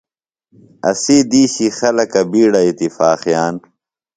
اسی دِیشی خلکہ بِیڈہ اتفاقِیان۔